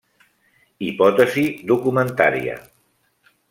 Hipòtesi documentària.